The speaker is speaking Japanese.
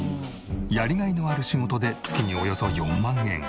やりがいのある仕事で月におよそ４万円。